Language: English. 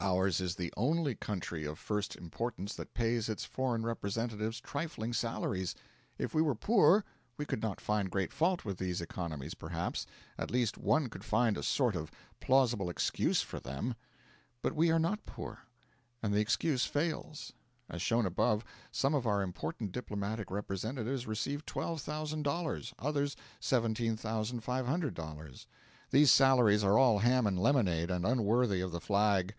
Ours is the only country of first importance that pays its foreign representatives trifling salaries. If we were poor, we could not find great fault with these economies, perhaps at least one could find a sort of plausible excuse for them. But we are not poor; and the excuse fails. As shown above, some of our important diplomatic representatives receive $12,000; others, $17,500. These salaries are all ham and lemonade, and unworthy of the flag.